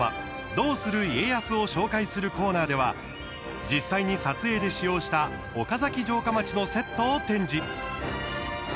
「どうする家康」を紹介するコーナーでは実際に撮影で使用した岡崎城下町のセットを展示。